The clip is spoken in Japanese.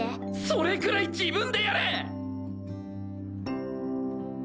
それくらい自分でやれ！